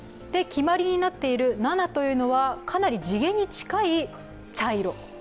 決まりになっている７というのはかなり地毛に近い茶色。